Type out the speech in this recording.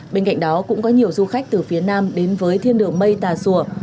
bên cạnh đó cũng có nhiều du khách từ phía nam đến với thiên đường mây tà sùa